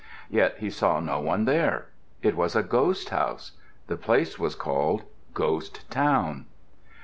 Yet he saw no one there. It was a ghost house. The place was called Ghost Town.